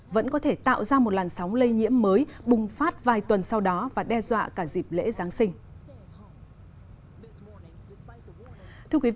vẫn có thể tạo ra một làn sóng lây nhiễm mới bùng phát vài tuần sau đó và đe dọa cả dịp lễ giáng sinh